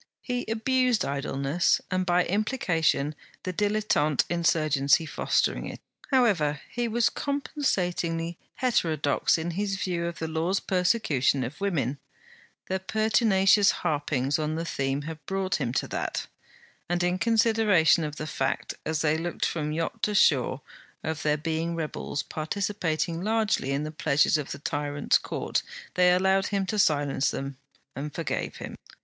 He abused idleness, and by implication the dilettante insurgency fostering it. However, he was compensatingly heterodox in his view of the Law's persecution of women; their pertinacious harpings on the theme had brought him to that; and in consideration of the fact, as they looked from yacht to shore, of their being rebels participating largely in the pleasures of the tyrant's court, they allowed him to silence them, and forgave him.